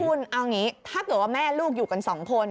คุณเอาอย่างนี้ถ้าเกิดว่าแม่ลูกอยู่กันสองคน